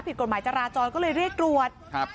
ผิดกฎหมายจราจรก็เลยเรียกตรวจครับ